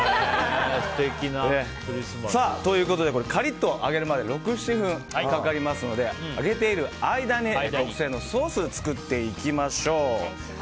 素敵なクリスマス。ということでカリッと揚げるまで６７分かかりますので揚げている間に特製のソースを作っていきます。